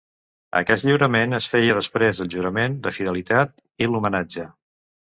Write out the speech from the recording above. Aquest lliurament es feia després del jurament de fidelitat i l'homenatge.